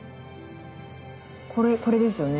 これこれですよね。